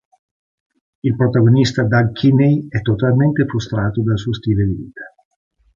Il protagonista Doug Kinney è totalmente frustrato dal suo stile di vita.